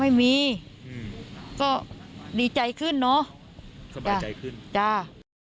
ไม่มีอืมก็ดีใจขึ้นเนอะสบายใจขึ้นจ้า